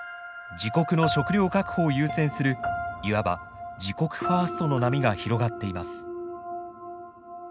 自国の食料確保を優先するいわば自国ファーストの波が広がっています。